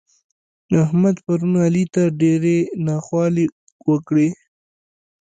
احمد پرون علي ته ډېرې ناخوالې وکړې.